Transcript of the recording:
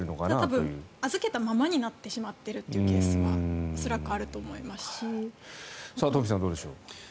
多分、預けたままになってしまっているというケースは東輝さん、どうでしょう。